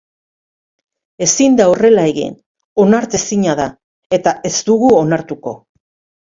Ezin da horrela egin, onartezina da, eta ez dugu onartuko.